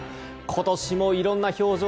今年もいろんな表情